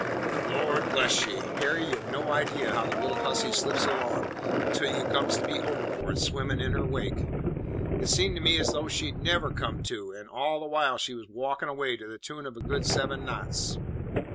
"But, Lord bless ye! Harry, you've no idea how the little hussy slips along, until you comes to be overboard, swimming in her wake. "It seemed to me as though she'd never come to, and all the while she was walking away to the tune of a good seven knots.